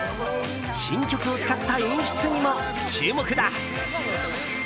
新曲を使った演出にも注目だ。